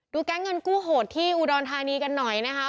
แก๊งเงินกู้โหดที่อุดรธานีกันหน่อยนะคะ